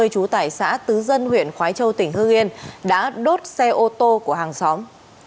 chú tải xã tứ dân huyện khói châu tỉnh hương yên đã đốt xe ô tô của hàng xóm